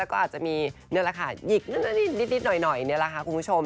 ก็อาจจะมีนี่แหละค่ะหยิกนิดหน่อยนี่แหละค่ะคุณผู้ชม